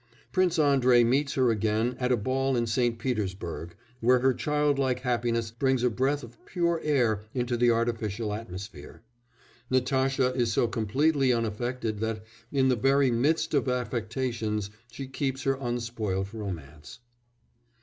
Prince Andrei meets her again at a ball in St. Petersburg, where her childlike happiness brings a breath of pure air into the artificial atmosphere; Natasha is so completely unaffected that, in the very midst of affectations, she keeps her unspoilt romance.